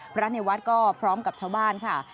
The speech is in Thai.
พระอัธยวัตรก็พร้อมกับชาวบ้านค่ะ